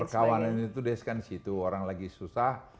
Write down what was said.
ya kan kita perkawanan itu deskansi itu orang lagi susah